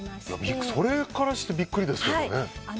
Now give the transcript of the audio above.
それからしてビックリですけどね。